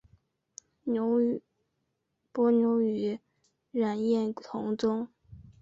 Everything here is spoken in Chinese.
伯牛与冉雍同宗。